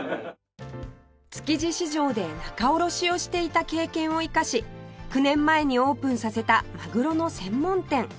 築地市場で仲卸をしていた経験を生かし９年前にオープンさせたまぐろの専門店